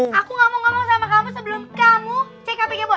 aku gak mau ngomong sama kamu sebelum kamu cek hpnya boy